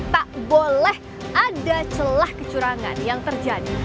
tak boleh ada celah kecurangan yang terjadi